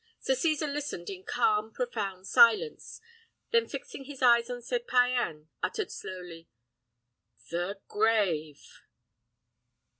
Sir Cesar listened in calm, profound silence; then, fixing his eyes on Sir Payan, uttered slowly, "The grave!"